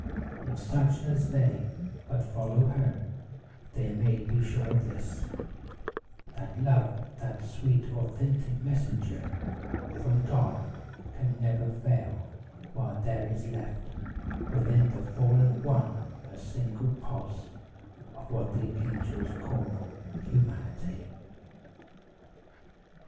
If such as they But follow her, they may be sure of this, That Love, that sweet authentic messenger From God, can never fail while there is left Within the fallen one a single pulse Of what the angels call humanity.